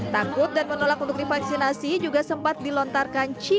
takut dan menolak untuk divaksinasi juga sempat dilontarkan cita